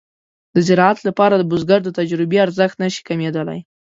د زراعت لپاره د بزګر د تجربې ارزښت نشي کمېدلای.